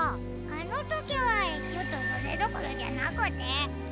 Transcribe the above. あのときはちょっとそれどころじゃなくて。